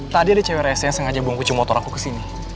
tadi ada cewek rsa yang sengaja buang kucing motor aku kesini